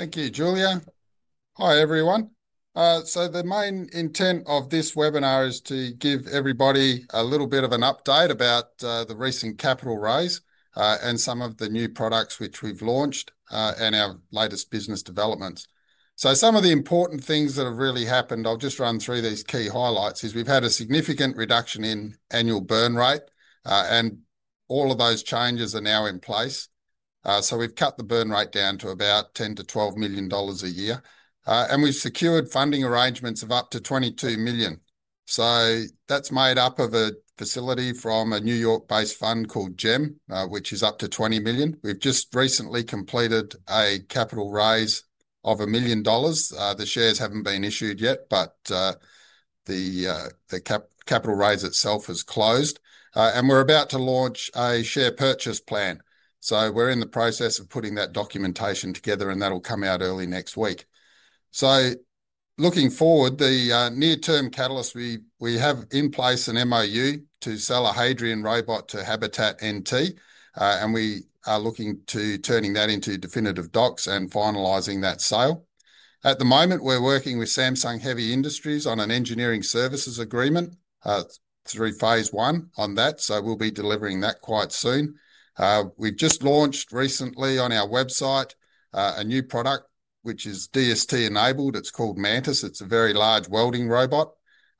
Thank you, Julia. Hi, everyone. The main intent of this webinar is to give everybody a little bit of an update about the recent capital raise, and some of the new products which we've launched, and our latest business developments. Some of the important things that have really happened, I'll just run through these key highlights. We've had a significant reduction in annual burn rate, and all of those changes are now in place. We've cut the burn rate down to about $10-$12 million a year, and we've secured funding arrangements of up to $22 million. That's made up of a facility from a New York-based fund called GEM, which is up to $20 million. We've just recently completed a capital raise of $1 million. The shares haven't been issued yet, but the capital raise itself is closed. We're about to launch a share purchase plan. We're in the process of putting that documentation together, and that'll come out early next week. Looking forward, the near-term catalyst, we have in place an MOU to sell a Hadrian robot to Habitat NT, and we are looking to turn that into definitive docs and finalize that sale. At the moment, we're working with Samsung Heavy Industries on an engineering services agreement. We're through phase one on that, so we'll be delivering that quite soon. We've just launched recently on our website a new product which is DST enabled. It's called Mantis. It's a very large welding robot,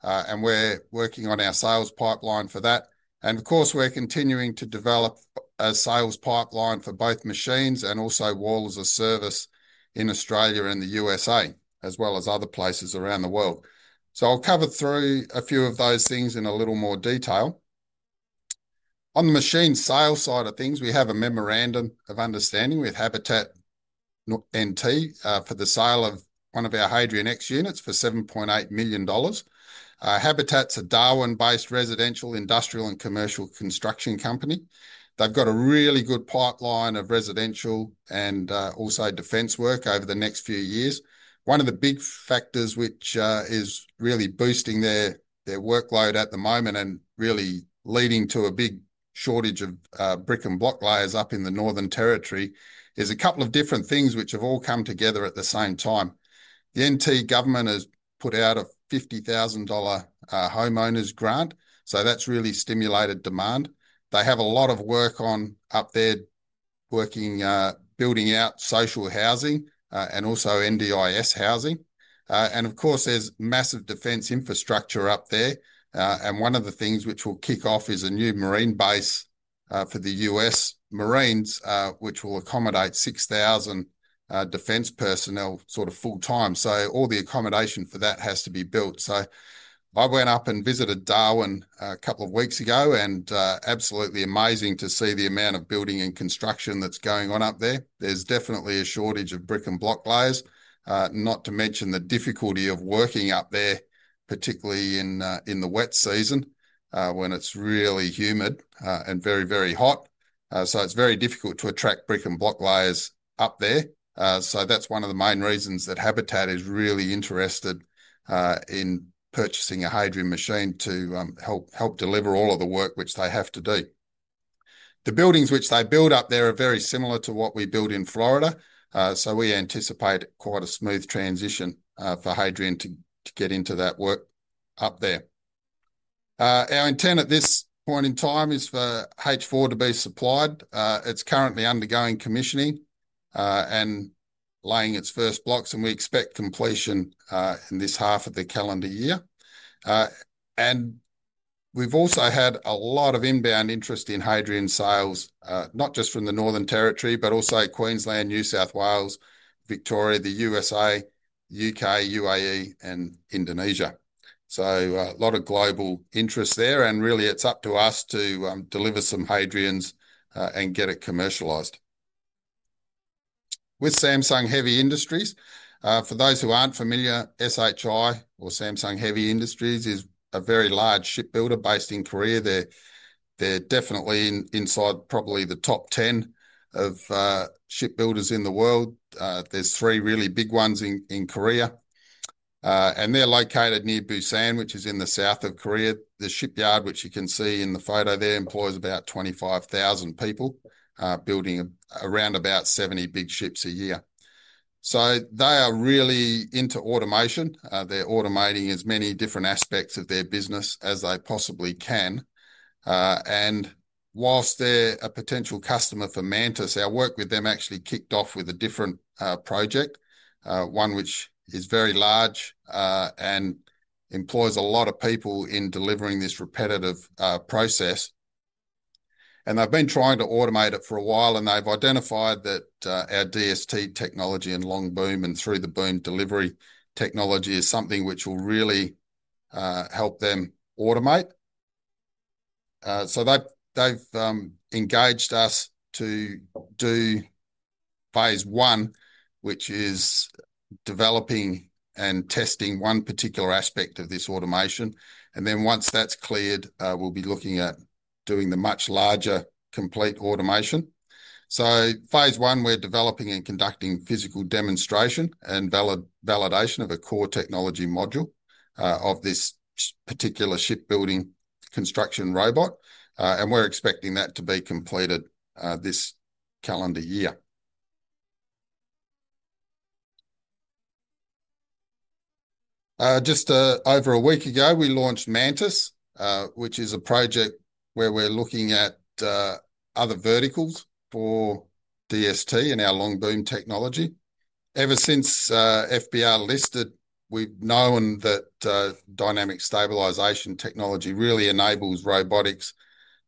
and we're working on our sales pipeline for that. Of course, we're continuing to develop a sales pipeline for both machines and also Wall as a Service in Australia and the USA, as well as other places around the world. I'll cover through a few of those things in a little more detail. On the machine sales side of things, we have a memorandum of understanding with Habitat NT for the sale of one of our Hadrian X units for $7.8 million. Habitat's a Darwin-based residential, industrial, and commercial construction company. They've got a really good pipeline of residential and also defense work over the next few years. One of the big factors which is really boosting their workload at the moment and really leading to a big shortage of brick and block layers up in the Northern Territory is a couple of different things which have all come together at the same time. The NT government has put out a $50,000 homeowners grant, so that's really stimulated demand. They have a lot of work on up there, building out social housing and also NDIS housing. Of course, there's massive defense infrastructure up there. One of the things which will kick off is a new marine base for the U.S. Marines, which will accommodate 6,000 defense personnel full-time. All the accommodation for that has to be built. I went up and visited Darwin a couple of weeks ago, and it was absolutely amazing to see the amount of building and construction that's going on up there. There's definitely a shortage of brick and block layers, not to mention the difficulty of working up there, particularly in the wet season when it's really humid and very, very hot. It's very difficult to attract brick and block layers up there. That's one of the main reasons that Habitat NT is really interested in purchasing a Hadrian X machine to help deliver all of the work which they have to do. The buildings which they build up there are very similar to what we build in Florida. We anticipate quite a smooth transition for Hadrian X to get into that work up there. Our intent at this point in time is for the H4 Hadrian unit to be supplied. It's currently undergoing commissioning and laying its first blocks, and we expect completion in this half of the calendar year. We've also had a lot of inbound interest in Hadrian X sales, not just from the Northern Territory, but also Queensland, New South Wales, Victoria, the USA, United Kingdom, United Arab Emirates, and Indonesia. There's a lot of global interest there, and really it's up to us to deliver some Hadrian X units and get it commercialized. With Samsung Heavy Industries, for those who aren't familiar, SHI or Samsung Heavy Industries is a very large shipbuilder based in South Korea. They're definitely inside probably the top 10 of shipbuilders in the world. There are three really big ones in South Korea, and they're located near Busan, which is in the south of South Korea. The shipyard, which you can see in the photo there, employs about 25,000 people, building around 70 big ships a year. They are really into automation. They're automating as many different aspects of their business as they possibly can. Whilst they're a potential customer for Mantis, our work with them actually kicked off with a different project, one which is very large and employs a lot of people in delivering this repetitive process. They've been trying to automate it for a while, and they've identified that our DST technology and long boom and through-the-boom delivery technology is something which will really help them automate. They've engaged us to do phase one, which is developing and testing one particular aspect of this automation. Once that's cleared, we'll be looking at doing the much larger complete automation. Phase one, we're developing and conducting physical demonstration and validation of a core technology module of this particular shipbuilding construction robot. We're expecting that to be completed this calendar year. Just over a week ago, we launched Mantis, which is a project where we're looking at other verticals for DST and our long boom technology. Ever since FBR listed, we've known that Dynamic Stabilization Technology really enables robotics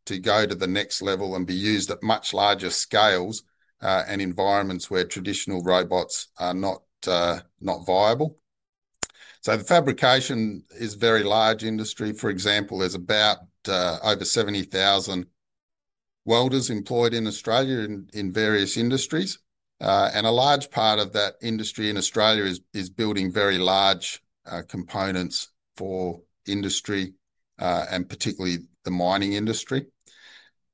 to go to the next level and be used at much larger scales and environments where traditional robots are not viable. The fabrication is a very large industry. For example, there's about over 70,000 welders employed in Australia in various industries. A large part of that industry in Australia is building very large components for industry and particularly the mining industry.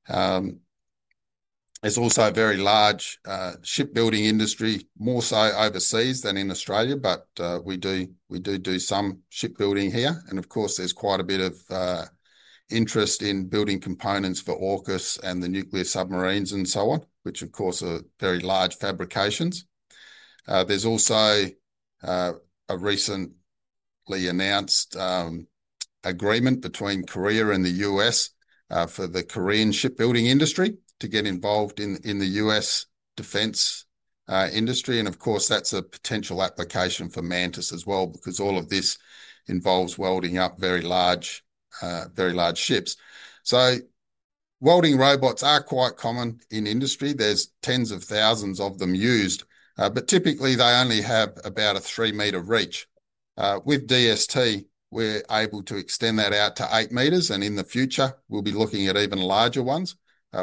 There's also a very large shipbuilding industry, more so overseas than in Australia, but we do do some shipbuilding here. There's quite a bit of interest in building components for AUKUS and the nuclear submarines and so on, which are very large fabrications. There's also a recently announced agreement between Korea and the U.S. for the Korean shipbuilding industry to get involved in the U.S. defense industry. That's a potential application for Mantis as well, because all of this involves welding up very large ships. Welding robots are quite common in industry. There are tens of thousands of them used, but typically they only have about a three-meter reach. With DST, we're able to extend that out to eight m, and in the future, we'll be looking at even larger ones,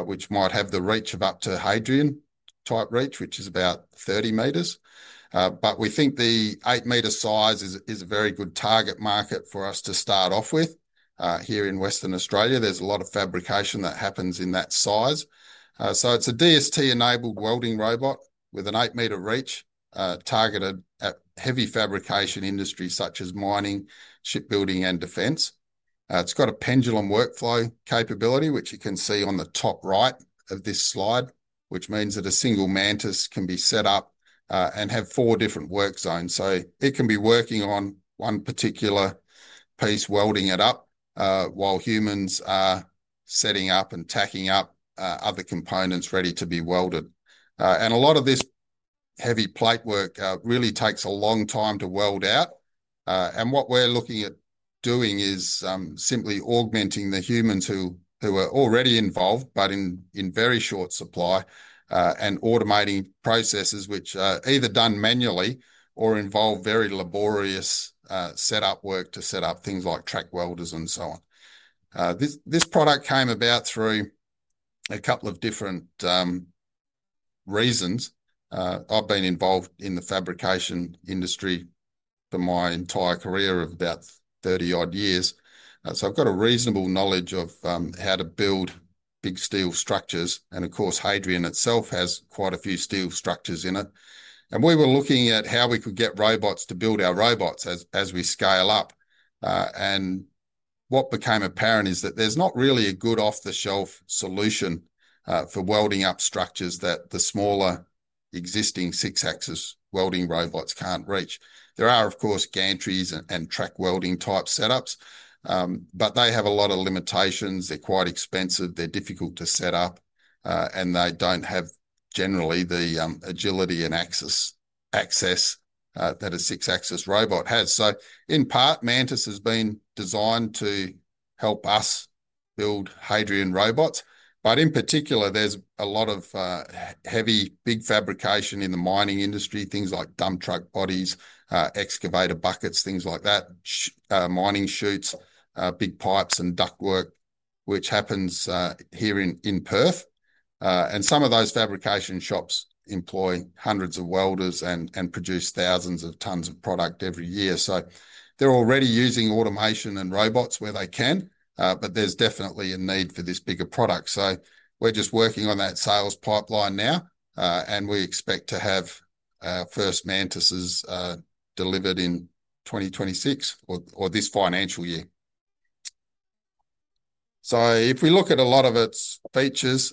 which might have the reach of up to Hadrian type reach, which is about 30 m. We think the eight-meter size is a very good target market for us to start off with. Here in Western Australia, there's a lot of fabrication that happens in that size. It's a DST-enabled welding robot with an eight-meter reach targeted at heavy fabrication industries such as mining, shipbuilding, and defense. It's got a pendulum workflow capability, which you can see on the top right of this slide, which means that a single Mantis can be set up and have four different work zones. It can be working on one particular piece, welding it up, while humans are setting up and tacking up other components ready to be welded. A lot of this heavy plate work really takes a long time to weld out. What we're looking at doing is simply augmenting the humans who are already involved, but in very short supply, and automating processes which are either done manually or involve very laborious setup work to set up things like track welders and so on. This product came about through a couple of different reasons. I've been involved in the fabrication industry for my entire career of about 30 odd years. I've got a reasonable knowledge of how to build big steel structures. Of course, Hadrian itself has quite a few steel structures in it. We were looking at how we could get robots to build our robots as we scale up. What became apparent is that there's not really a good off-the-shelf solution for welding up structures that the smaller existing six-axis welding robots can't reach. There are, of course, gantries and track welding type setups, but they have a lot of limitations. They're quite expensive. They're difficult to set up. They don't have generally the agility and access that a six-axis robot has. In part, Mantis has been designed to help us build Hadrian robots. In particular, there's a lot of heavy big fabrication in the mining industry, things like dump truck bodies, excavator buckets, things like that, mining chutes, big pipes, and ductwork, which happens here in Perth. Some of those fabrication shops employ hundreds of welders and produce thousands of tons of product every year. They're already using automation and robots where they can, but there's definitely a need for this bigger product. We're just working on that sales pipeline now. We expect to have our first Mantis delivered in 2026 or this financial year. If we look at a lot of its features,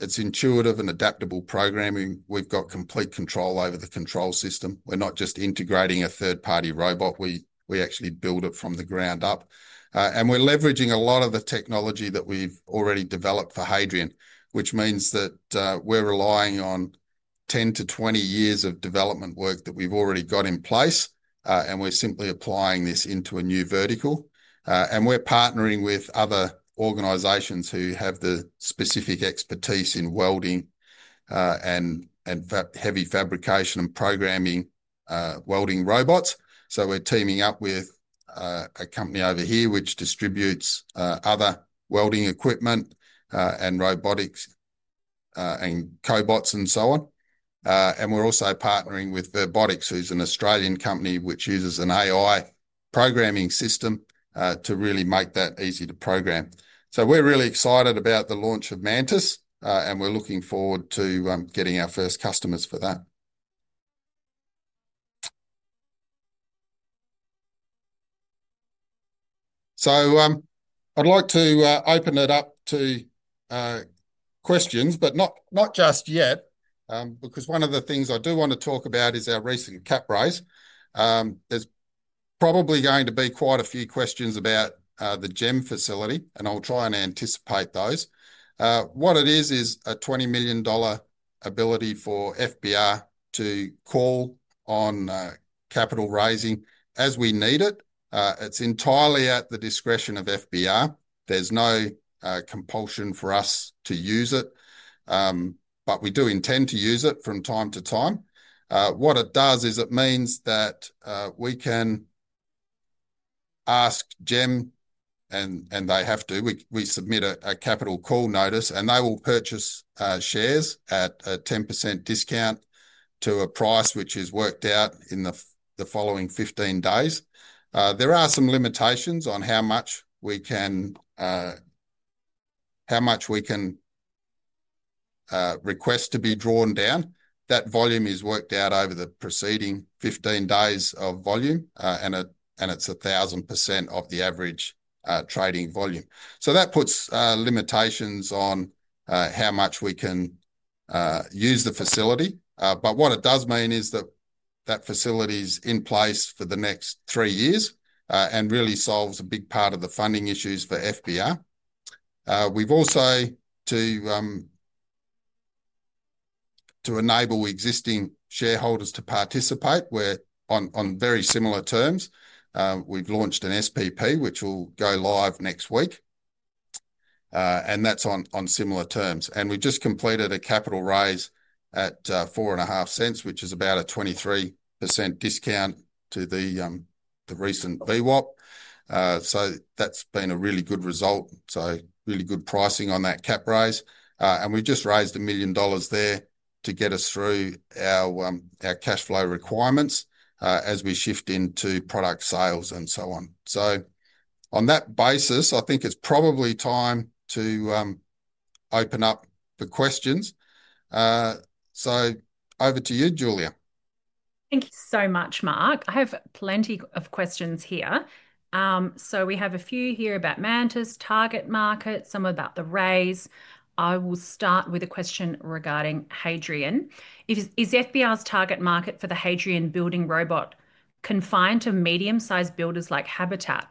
it's intuitive and adaptable programming. We've got complete control over the control system. We're not just integrating a third-party robot. We actually build it from the ground up. We're leveraging a lot of the technology that we've already developed for Hadrian, which means that we're relying on 10 to 20 years of development work that we've already got in place. We're simply applying this into a new vertical. We're partnering with other organizations who have the specific expertise in welding and heavy fabrication and programming welding robots. We're teaming up with a company over here which distributes other welding equipment and robotics and cobots and so on. We're also partnering with Verbotics, who's an Australian company which uses an AI programming system to really make that easy to program. We're really excited about the launch of Mantis and we're looking forward to getting our first customers for that. I'd like to open it up to questions, but not just yet, because one of the things I do want to talk about is our recent capital raise. There's probably going to be quite a few questions about the GEM facility, and I'll try and anticipate those. What it is, is a $20 million ability for FBR to call on capital raising as we need it. It's entirely at the discretion of FBR. There's no compulsion for us to use it, but we do intend to use it from time to time. What it does is it means that we can ask GEM, and they have to, we submit a capital call notice, and they will purchase shares at a 10% discount to a price which is worked out in the following 15 days. There are some limitations on how much we can request to be drawn down. That volume is worked out over the preceding 15 days of volume, and it's 1,000% of the average trading volume. That puts limitations on how much we can use the facility. What it does mean is that facility is in place for the next three years and really solves a big part of the funding FBR. we've also enabled existing shareholders to participate. We're on very similar terms. We've launched an SPP, which will go live next week, and that's on similar terms. We just completed a capital raise at $0.045, which is about a 23% discount to the recent VWAP. That's been a really good result. Really good pricing on that capital raise. We just raised $1 million there to get us through our cash flow requirements as we shift into product sales and so on. On that basis, I think it's probably time to open up for questions. Over to you, Julia. Thank you so much, Mark. I have plenty of questions here. We have a few here about Mantis target market, some about the raise. I will start with a question regarding Hadrian. Is FBR's target market for the Hadrian building robot confined to medium-sized builders like Habitat NT?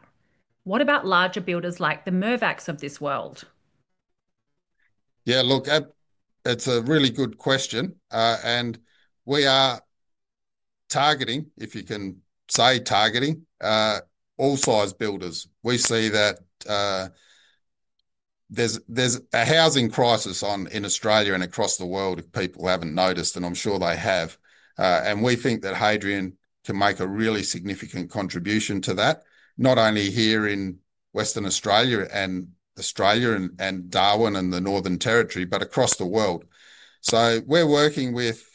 What about larger builders like the Mervacs of this world? Yeah, look, it's a really good question. We are targeting, if you can say targeting, all size builders. We see that there's a housing crisis in Australia and across the world, if people haven't noticed, and I'm sure they have. We think that Hadrian can make a really significant contribution to that, not only here in Western Australia and Australia and Darwin and the Northern Territory, but across the world. We're working with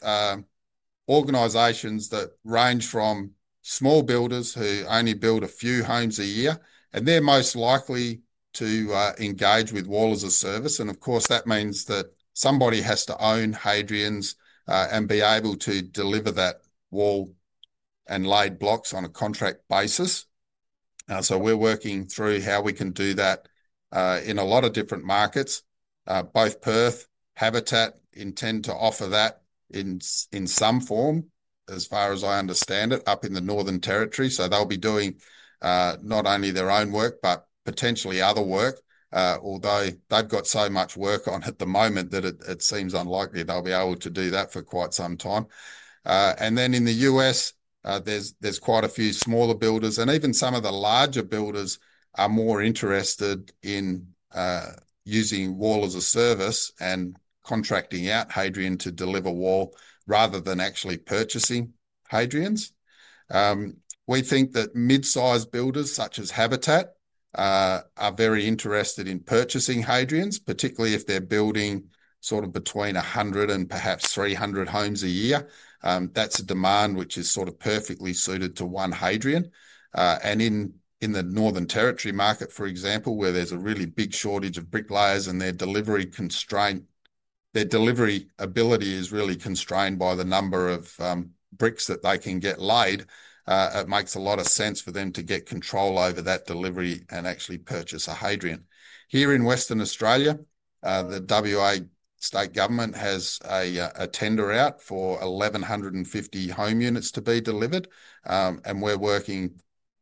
organizations that range from small builders who only build a few homes a year, and they're most likely to engage with Wall as a Service. Of course, that means that somebody has to own Hadrians and be able to deliver that wall and laid blocks on a contract basis. We're working through how we can do that in a lot of different markets. Both Perth and Habitat intend to offer that in some form, as far as I understand it, up in the Northern Territory. They'll be doing not only their own work, but potentially other work. Although they've got so much work on at the moment that it seems unlikely they'll be able to do that for quite some time. In the U.S., there's quite a few smaller builders, and even some of the larger builders are more interested in using Wall as a Service and contracting out Hadrian to deliver wall rather than actually purchasing Hadrians. We think that mid-size builders, such as Habitat, are very interested in purchasing Hadrians, particularly if they're building sort of between 100 and perhaps 300 homes a year. That's a demand which is sort of perfectly suited to one Hadrian. In the Northern Territory market, for example, where there's a really big shortage of bricklayers and their delivery constraint, their delivery ability is really constrained by the number of bricks that they can get laid. It makes a lot of sense for them to get control over that delivery and actually purchase a Hadrian. Here in Western Australia, the WA State Government has a tender out for 1,150 home units to be delivered. We're working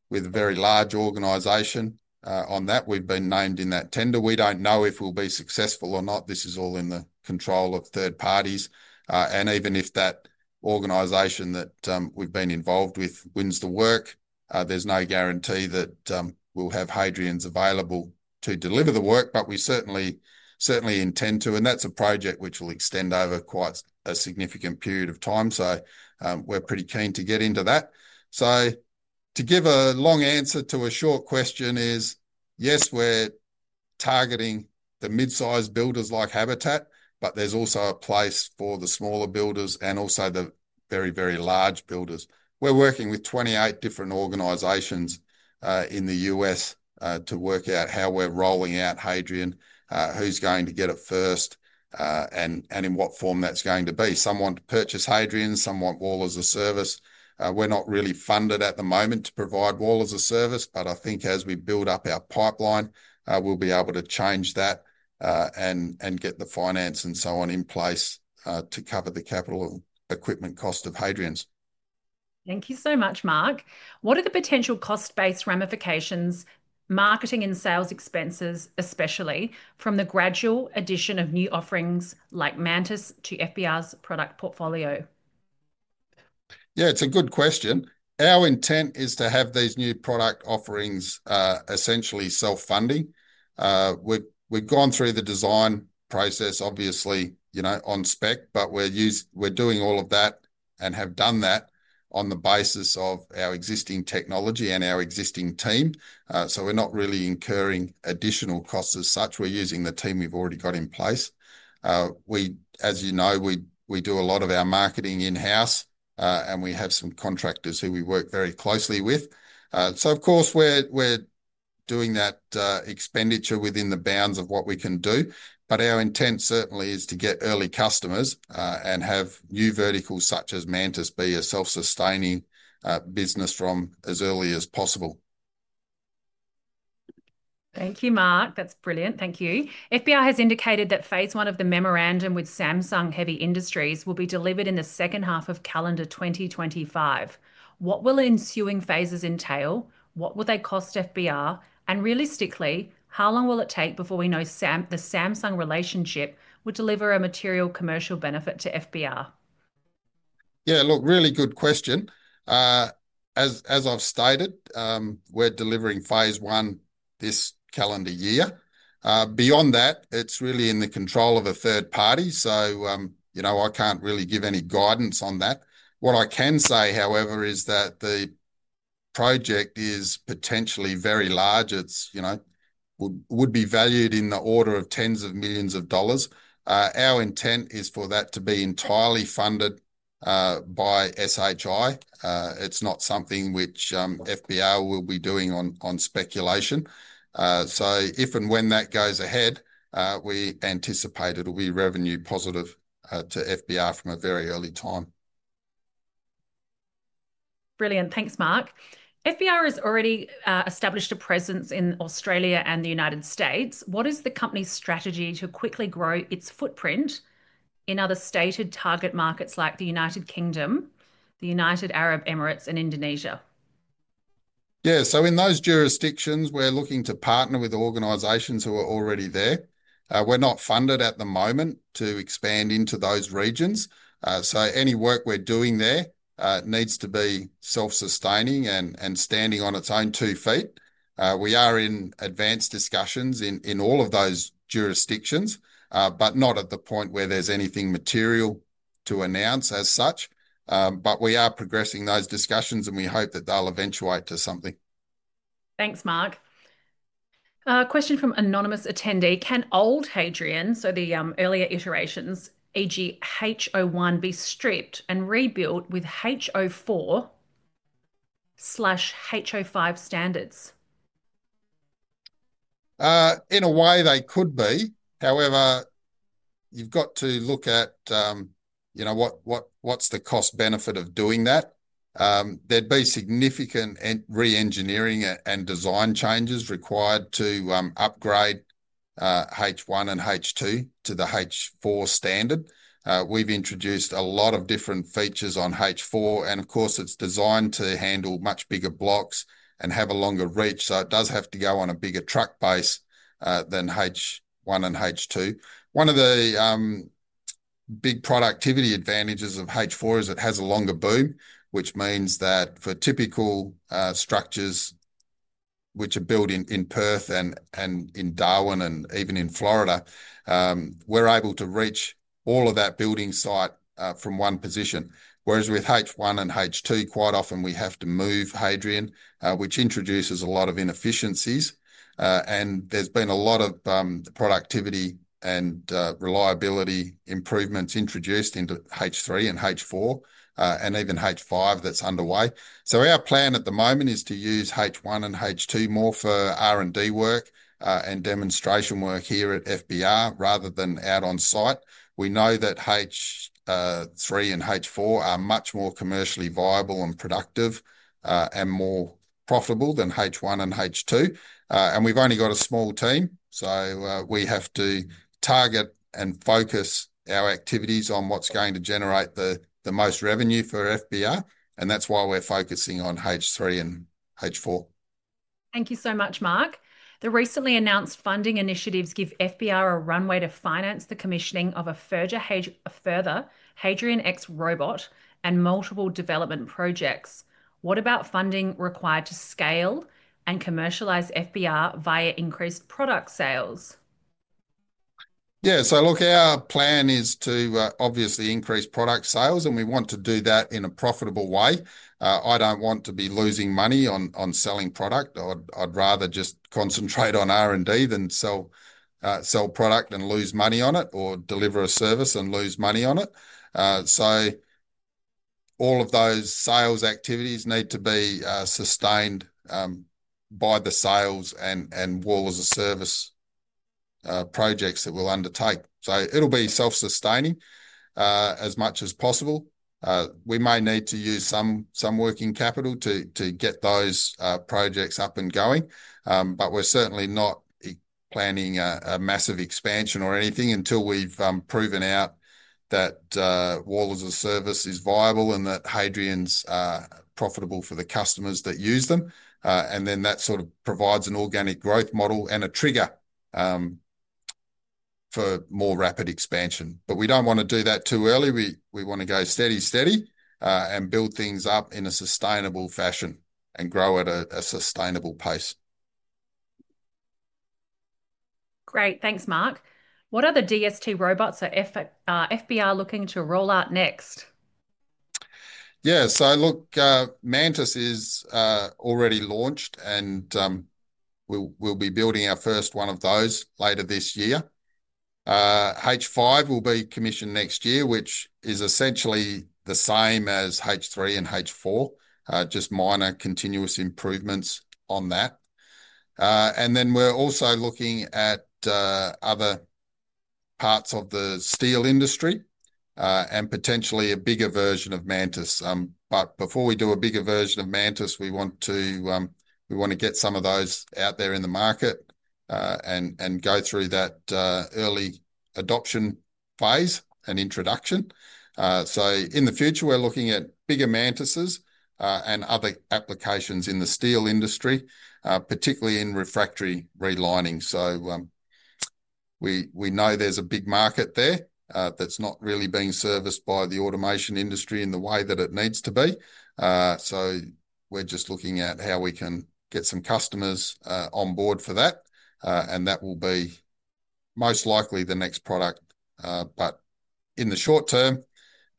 with a very large organization on that. We've been named in that tender. We don't know if we'll be successful or not. This is all in the control of third parties. Even if that organization that we've been involved with wins the work, there's no guarantee that we'll have Hadrians available to deliver the work. We certainly intend to, and that's a project which will extend over quite a significant period of time. We're pretty keen to get into that. To give a long answer to a short question, yes, we're targeting the mid-sized builders like Habitat NT, but there's also a place for the smaller builders and also the very, very large builders. We're working with 28 different organizations in the U.S. to work out how we're rolling out Hadrian X, who's going to get it first, and in what form that's going to be. Some want to purchase Hadrian X, some want Wall as a Service. We're not really funded at the moment to provide Wall as a Service, but I think as we build up our pipeline, we'll be able to change that and get the finance and so on in place to cover the capital equipment cost of Hadrian X. Thank you so much, Mark. What are the potential cost-based ramifications, marketing and sales expenses, especially from the gradual addition of new offerings like Mantis to FBR's product portfolio? Yeah, it's a good question. Our intent is to have these new product offerings essentially self-funding. We've gone through the design process, obviously, on spec, but we're doing all of that and have done that on the basis of our existing technology and our existing team. We're not really incurring additional costs as such. We're using the team we've already got in place. As you know, we do a lot of our marketing in-house, and we have some contractors who we work very closely with. Of course, we're doing that expenditure within the bounds of what we can do. Our intent certainly is to get early customers and have new verticals such as Mantis be a self-sustaining business from as early as possible. Thank you, Mark. That's brilliant. Thank you. FBR has indicated that phase one of the memorandum with Samsung Heavy Industries will be delivered in the second half of calendar 2025. What will ensuing phases entail? What will they cost FBR? Realistically, how long will it take before we know the Samsung relationship would deliver a material commercial benefit to FBR? Yeah, really good question. As I've stated, we're delivering phase one this calendar year. Beyond that, it's really in the control of a third party. I can't really give any guidance on that. What I can say, however, is that the project is potentially very large. It would be valued in the order of tens of millions of dollars. Our intent is for that to be entirely funded by Samsung Heavy Industries. It's not something FBR will be doing on speculation. If and when that goes ahead, we anticipate it will be revenue positive FBR from a very early time. Brilliant. Thanks, Mark. FBR has already established a presence in Australia and the United States. What is the company's strategy to quickly grow its footprint in other stated target markets like the United Kingdom, the United Arab Emirates, and Indonesia? Yeah, so in those jurisdictions, we're looking to partner with organizations who are already there. We're not funded at the moment to expand into those regions. Any work we're doing there needs to be self-sustaining and standing on its own two feet. We are in advanced discussions in all of those jurisdictions, not at the point where there's anything material to announce as such. We are progressing those discussions, and we hope that they'll eventuate to something. Thanks, Mark. Question from anonymous attendee. Can old Hadrian, so the earlier iterations, e.g., H01, be stripped and rebuilt with H4/H5 standards? In a way, they could be. However, you've got to look at, you know, what's the cost-benefit of doing that? There'd be significant re-engineering and design changes required to upgrade H1 and H2 to the H4 standard. We've introduced a lot of different features on H4, and of course, it's designed to handle much bigger blocks and have a longer reach, so it does have to go on a bigger truck base than H1 and H2. One of the big productivity advantages of H4 is it has a longer boom, which means that for typical structures which are built in Perth and in Darwin and even in Florida, we're able to reach all of that building site from one position. Whereas with H1 and H2, quite often we have to move Hadrian, which introduces a lot of inefficiencies. There's been a lot of productivity and reliability improvements introduced into H3 and H4 and even H5 that's underway. Our plan at the moment is to use H1 and H2 more for R&D work and demonstration work here at FBR rather than out on site. We know that H3 and H4 are much more commercially viable and productive and more profitable than H1 and H2. We've only got a small team, so we have to target and focus our activities on what's going to generate the most revenue for FBR, and that's why we're focusing on H3 and H4. Thank you so much, Mark. The recently announced funding initiatives give FBR a runway to finance the commissioning of a further Hadrian X robot and multiple development projects. What about funding required to scale and commercialize FBR via increased product sales? Yeah, so look, our plan is to obviously increase product sales, and we want to do that in a profitable way. I don't want to be losing money on selling product. I'd rather just concentrate on R&D than sell product and lose money on it or deliver a service and lose money on it. All of those sales activities need to be sustained by the sales and Wall as a Service projects that we'll undertake. It'll be self-sustaining as much as possible. We may need to use some working capital to get those projects up and going, but we're certainly not planning a massive expansion or anything until we've proven out that Wall as a Service is viable and that Hadrian's profitable for the customers that use them. That sort of provides an organic growth model and a trigger for more rapid expansion. We don't want to do that too early. We want to go steady, steady and build things up in a sustainable fashion and grow at a sustainable pace. Great. Thanks, Mark. What other DST robots are FBR looking to roll out next? Yeah, so look, Mantis is already launched, and we'll be building our first one of those later this year. H5 will be commissioned next year, which is essentially the same as H3 and H4, just minor continuous improvements on that. We're also looking at other parts of the steel industry and potentially a bigger version of Mantis. Before we do a bigger version of Mantis, we want to get some of those out there in the market and go through that early adoption phase and introduction. In the future, we're looking at bigger Mantis and other applications in the steel industry, particularly in refractory relining. We know there's a big market there that's not really being serviced by the automation industry in the way that it needs to be. We're just looking at how we can get some customers on board for that, and that will be most likely the next product. In the short term,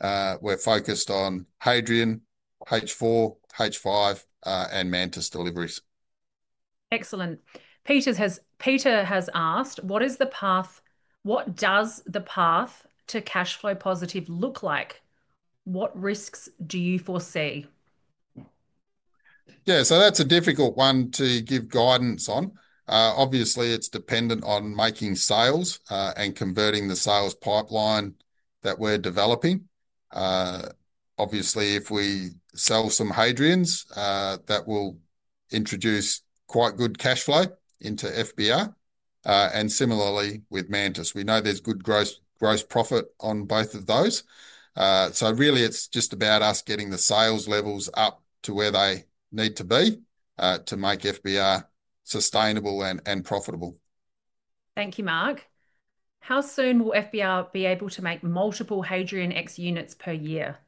we're focused on Hadrian, H4, H5, and Mantis deliveries. Excellent. Peter has asked, what is the path, what does the path to cash flow positive look like? What risks do you foresee? Yeah, that's a difficult one to give guidance on. Obviously, it's dependent on making sales and converting the sales pipeline that we're developing. Obviously, if we sell some Hadrian X units, that will introduce quite good cash flow into FBR. Similarly, with Mantis, we know there's good gross profit on both of those. It's just about us getting the sales levels up to where they need to be to make FBR sustainable and profitable. Thank you, Mark. How soon will FBR be able to make multiple Hadrian X units per year?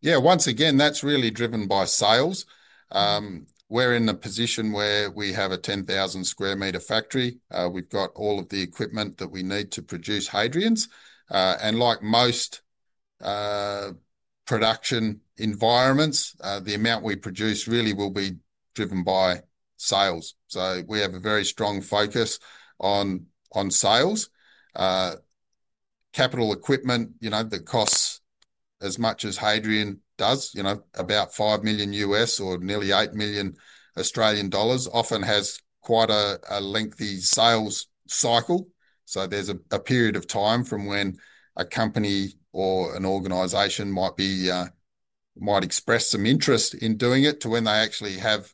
Yeah, once again, that's really driven by sales. We're in a position where we have a 10,000 square meter factory. We've got all of the equipment that we need to produce Hadrians. Like most production environments, the amount we produce really will be driven by sales. We have a very strong focus on sales. Capital equipment, you know, that costs as much as Hadrian does, you know, about $5 million U.S. or nearly $8 million Australian dollars, often has quite a lengthy sales cycle. There's a period of time from when a company or an organization might express some interest in doing it to when they actually have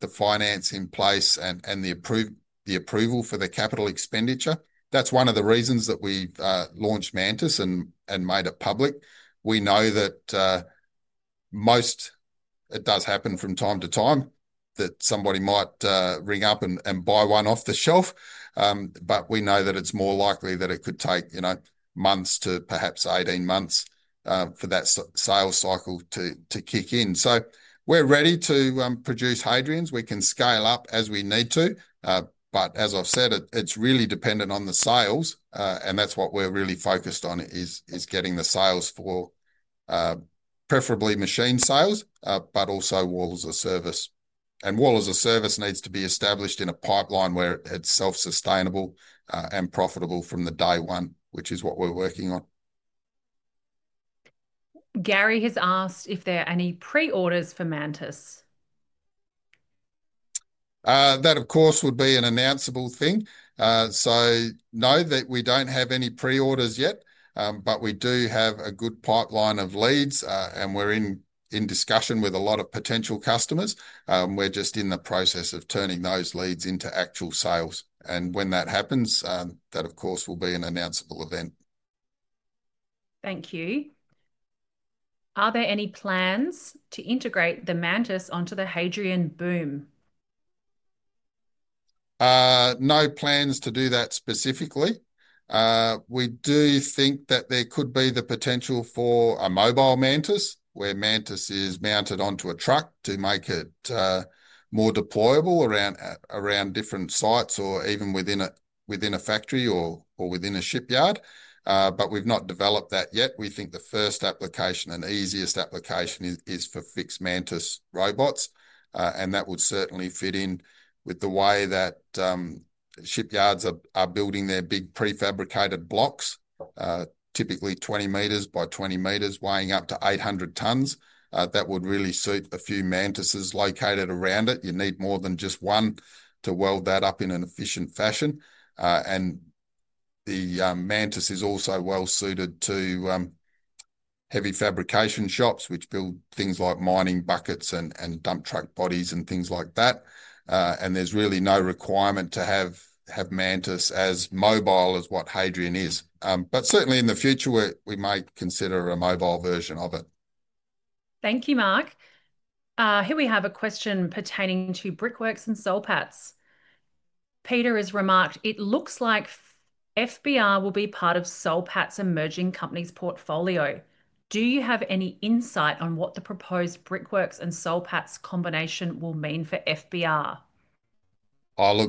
the finance in place and the approval for the capital expenditure. That's one of the reasons that we've launched Mantis and made it public. We know that most, it does happen from time to time that somebody might ring up and buy one off the shelf. We know that it's more likely that it could take, you know, months to perhaps 18 months for that sales cycle to kick in. We're ready to produce Hadrians. We can scale up as we need to. It's really dependent on the sales. That's what we're really focused on is getting the sales for preferably machine sales, but also Wall as a Service. Wall as a Service needs to be established in a pipeline where it's self-sustainable and profitable from day one, which is what we're working on. Gary has asked if there are any pre-orders for Mantis. That, of course, would be an announceable thing. No, we don't have any pre-orders yet, but we do have a good pipeline of leads, and we're in discussion with a lot of potential customers. We're just in the process of turning those leads into actual sales. When that happens, that, of course, will be an announceable event. Thank you. Are there any plans to integrate the Mantis onto the Hadrian boom? No plans to do that specifically. We do think that there could be the potential for a mobile Mantis where Mantis is mounted onto a truck to make it more deployable around different sites or even within a factory or within a shipyard. We've not developed that yet. We think the first application, the easiest application, is for fixed Mantis robots. That would certainly fit in with the way that shipyards are building their big prefabricated blocks, typically 20 m by 20 m, weighing up to 800 tons. That would really suit a few Mantis located around it. You'd need more than just one to weld that up in an efficient fashion. The Mantis is also well suited to heavy fabrication shops, which build things like mining buckets and dump truck bodies and things like that. There's really no requirement to have Mantis as mobile as what Hadrian is. Certainly in the future, we might consider a mobile version of it. Thank you, Mark. Here we have a question pertaining to Brickworks and Solpats. Peter has remarked, it looks like FBR will be part of Solpats emerging company's portfolio. Do you have any insight on what the proposed Brickworks and Solpats combination will mean for FBR?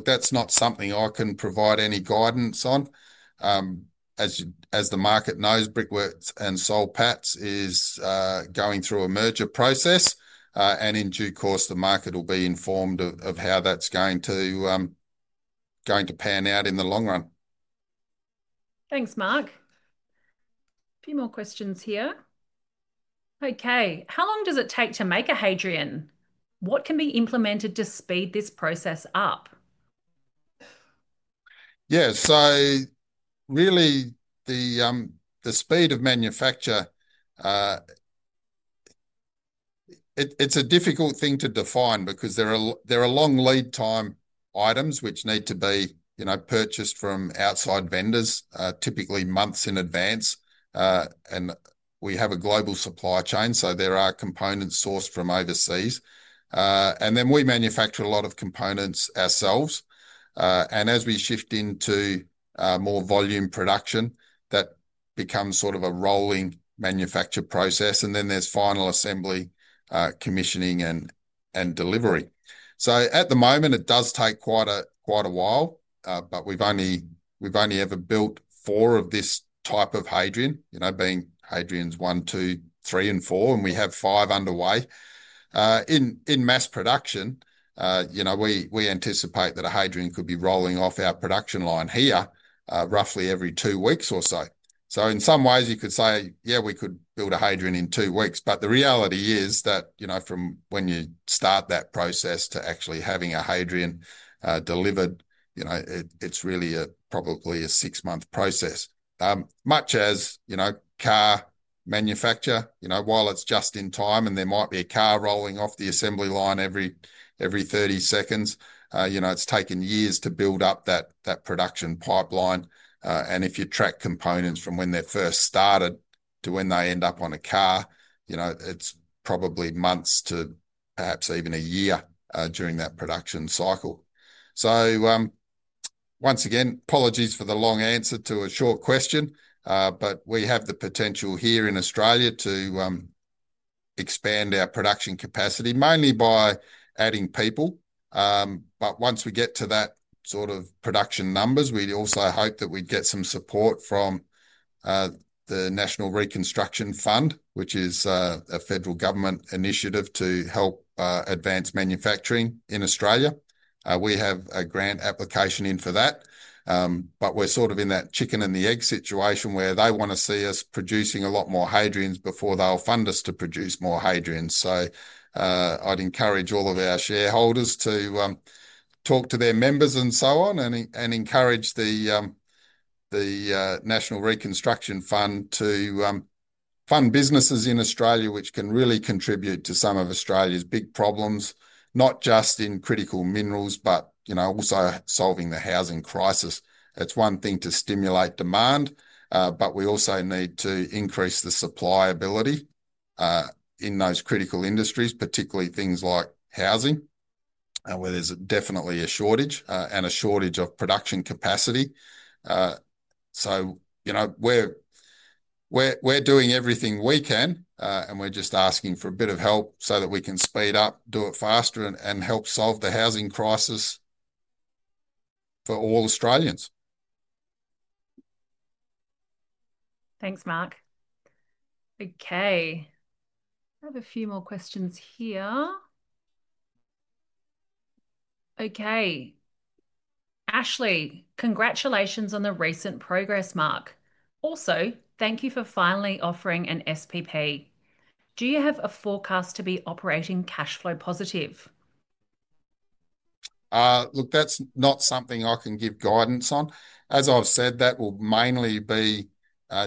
That's not something I can provide any guidance on. As the market knows, Brickworks and Solpats is going through a merger process. In due course, the market will be informed of how that's going to pan out in the long run. Thanks, Mark. A few more questions here. Okay, how long does it take to make a Hadrian? What can be implemented to speed this process up? Yeah, so really the speed of manufacture, it's a difficult thing to define because there are long lead time items which need to be, you know, purchased from outside vendors typically months in advance. We have a global supply chain, so there are components sourced from overseas. We manufacture a lot of components ourselves. As we shift into more volume production, that becomes sort of a rolling manufacture process. Then there's final assembly, commissioning, and delivery. At the moment, it does take quite a while, but we've only ever built four of this type of Hadrian, you know, being Hadrians one, two, three, and four. We have five underway. In mass production, we anticipate that a Hadrian could be rolling off our production line here roughly every two weeks or so. In some ways, you could say, yeah, we could build a Hadrian in two weeks. The reality is that, you know, from when you start that process to actually having a Hadrian delivered, you know, it's really probably a six-month process. Much as, you know, car manufacture, you know, while it's just in time and there might be a car rolling off the assembly line every 30 seconds, you know, it's taken years to build up that production pipeline. If you track components from when they first started to when they end up on a car, you know, it's probably months to perhaps even a year during that production cycle. Once again, apologies for the long answer to a short question, but we have the potential here in Australia to expand our production capacity mainly by adding people. Once we get to that sort of production numbers, we also hope that we'd get some support from the National Reconstruction Fund, which is a federal government initiative to help advance manufacturing in Australia. We have a grant application in for that. We're sort of in that chicken and the egg situation where they want to see us producing a lot more Hadrians before they'll fund us to produce more Hadrians. I'd encourage all of our shareholders to talk to their members and so on and encourage the National Reconstruction Fund to fund businesses in Australia, which can really contribute to some of Australia's big problems, not just in critical minerals, but you know, also solving the housing crisis. It's one thing to stimulate demand, but we also need to increase the supply ability in those critical industries, particularly things like housing, where there's definitely a shortage and a shortage of production capacity. We're doing everything we can, and we're just asking for a bit of help so that we can speed up, do it faster, and help solve the housing crisis for all Australians. Thanks, Mark. Okay, I have a few more questions here. Okay, Ashley, congratulations on the recent progress, Mark. Also, thank you for finally offering an SPP. Do you have a forecast to be operating cash flow positive? Look, that's not something I can give guidance on. As I've said, that will mainly be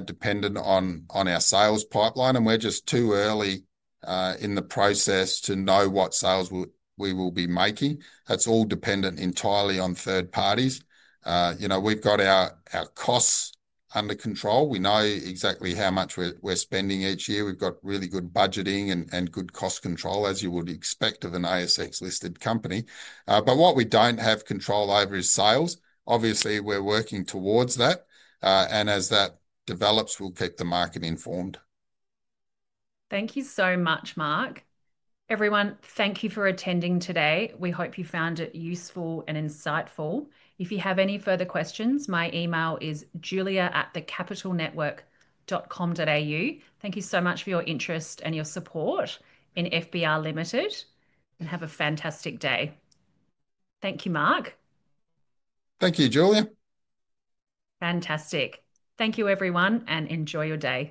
dependent on our sales pipeline, and we're just too early in the process to know what sales we will be making. That's all dependent entirely on third parties. We've got our costs under control. We know exactly how much we're spending each year. We've got really good budgeting and good cost control, as you would expect of an ASX listed company. What we don't have control over is sales. Obviously, we're working towards that. As that develops, we'll keep the market informed. Thank you so much, Mark. Everyone, thank you for attending today. We hope you found it useful and insightful. If you have any further questions, my email is julia@thecapitalnetwork.com.au. Thank you so much for your interest and your support in FBR, and have a fantastic day. Thank you, Mark. Thank you, Julia. Fantastic. Thank you, everyone, and enjoy your day.